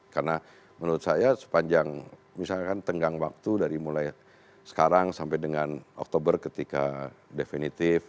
karena menurut saya sepanjang misalkan tenggang waktu dari mulai sekarang sampai dengan oktober ketika definitif